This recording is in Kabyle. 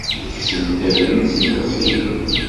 Yegzem-d abrid seg teẓgi.